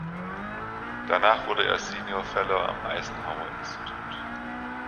Danach wurde er Senior Fellow am Eisenhower Institute.